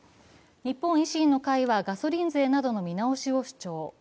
日本維新の会はガソリン税などの見直しを主張。